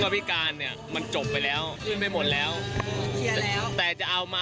บ๊ายบาย